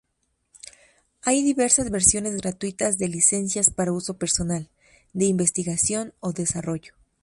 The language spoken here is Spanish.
Hay diversas versiones gratuitas de licencias para uso personal, de investigación o desarrollo.